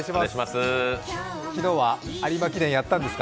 昨日は有馬記念やったんですか？